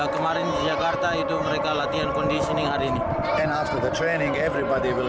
kemarin di jakarta itu mereka latihan conditioning hari ini